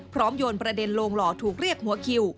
โยนประเด็นโลงหล่อถูกเรียกหัวคิว